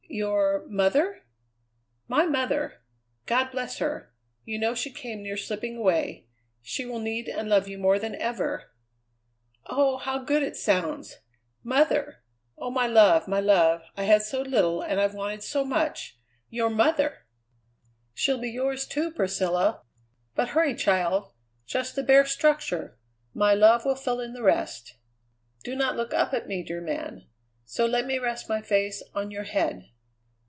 "Your mother?" "My mother! God bless her! You know she came near slipping away. She will need and love you more than ever." "Oh! how good it sounds! Mother! Oh, my love, my love! I've had so little and I've wanted so much! Your mother!" "She'll be yours, too, Priscilla. But hurry, child! Just the bare structure; my love will fill in the rest." "Do not look up at me, dear man! So, let me rest my face on your head.